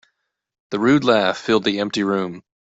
The rude laugh filled the empty room.